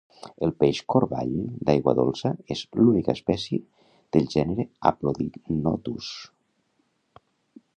El peix Corball de aigua dolça és l'única espècie del gènere Aplodinotus